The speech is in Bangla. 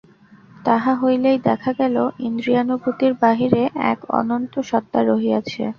তাহা হইলেই দেখা গেল, ইন্দ্রিয়ানূভূতির বাহিরে এক অনন্ত সত্তা রহিয়াছে।